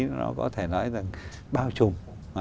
nó có thể nói là bao trùm